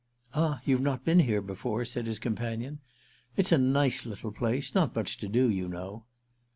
"Ah you've not been here before?" said his companion. "It's a nice little place—not much to do, you know".